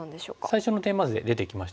最初のテーマ図で出てきましたよね。